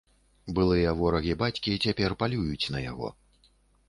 Былыя ворагі бацькі цяпер палююць на яго.